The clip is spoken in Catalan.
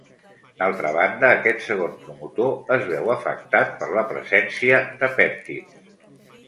D'altra banda, aquest segon promotor es veu afectat per la presència de pèptids.